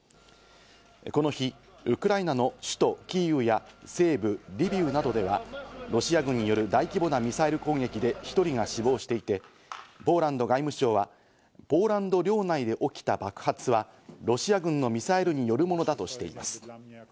この日、ウクライナの首都キーウや西部リビウなどでは、ロシア軍による大規模なミサイル攻撃で１人が死亡していて、ポーランド外務省はポーランド領内で起きた爆発は、ロシア軍のミサイルによるものだとしています。